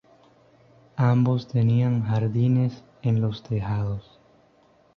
Ambos tenían jardines en los tejados.